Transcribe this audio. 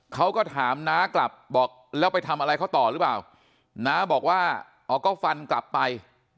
เขาก็ถามน้ากลับบอกแล้วไปทำอะไรเขาต่อหรือเปล่าน้าบอกว่าอ๋อก็ฟันกลับไป